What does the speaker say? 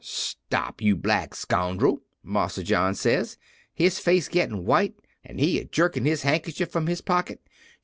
"'Stop, you black scoun'rel!' Marsa John says, his face gittin' white an' he a jerkin' his handkerchief from his pocket.